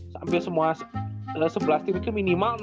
hampir semua sebelas tim itu minimal